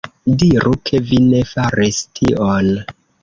Diru, ke vi ne faris tion!